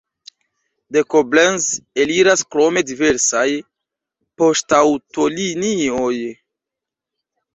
De Koblenz eliras krome diversaj poŝtaŭtolinioj.